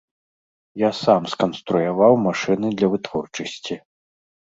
Я сам сканструяваў машыны для вытворчасці.